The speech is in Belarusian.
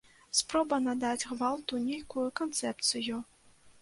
Спроба надаць гвалту нейкую канцэпцыю.